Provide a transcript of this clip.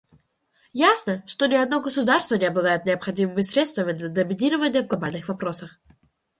Ясно, что ни одно государство не обладает необходимыми средствами для доминирования в глобальных вопросах.